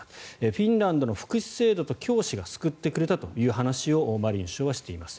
フィンランドの福祉制度と教師が救ってくれたという話をマリン首相はしています。